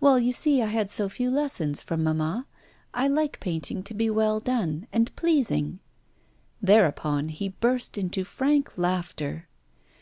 'Well, you see I had so few lessons from mamma. I like painting to be well done, and pleasing.' Thereupon he burst into frank laughter.